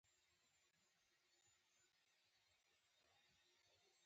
زده کوونکي دې د لاندې کلمو د جمع شکل ولیکي.